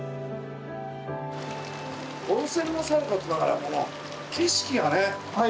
温泉もさることながらこの景色がね。